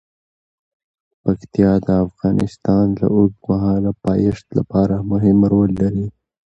پکتیا د افغانستان د اوږدمهاله پایښت لپاره مهم رول لري.